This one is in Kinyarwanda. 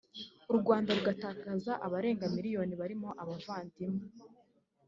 u Rwanda rugatakaza abarenga miliyoni barimo abavandimwe